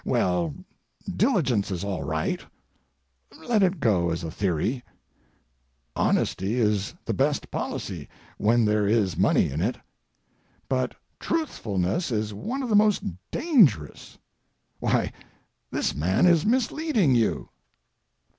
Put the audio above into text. Well, diligence is all right. Let it go as a theory. Honesty is the best policy—when there is money in it. But truthfulness is one of the most dangerous—why, this man is misleading you.